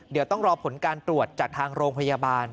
เดี๋ยวต้องรอผลการตรวจจากทางโรงพยาบาล